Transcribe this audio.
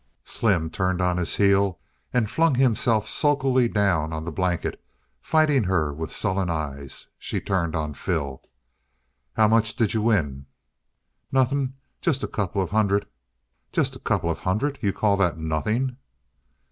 Slim turned on his heel and flung himself sulkily down on the blanket, fighting her with sullen eyes. She turned on Phil. "How much d'you win?" "Nothin'. Just a couple of hundred." "Just a couple of hundred! You call that nothing?"